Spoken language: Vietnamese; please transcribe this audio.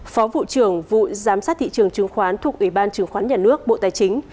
phó vụ trưởng vụ giám sát thị trường chứng khoán thuộc ủy ban chứng khoán nhà nước bộ tài chính